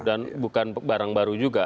dan bukan barang baru juga